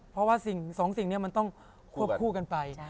เพราะว่าสิ่งสองสิ่งนี้มันต้องควบคู่กันไป